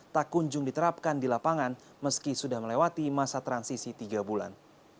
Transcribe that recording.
tak kunjung diterapkan di lapangan meski sudah melewati masa transisi tiga bulan